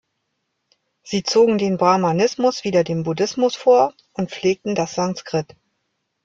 Sie zogen den Brahmanismus wieder dem Buddhismus vor und pflegten das Sanskrit.